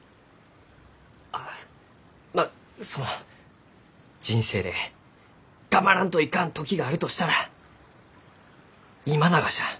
あまあその人生で頑張らんといかん時があるとしたら今ながじゃ。